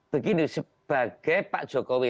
begini sebagai pak jokowi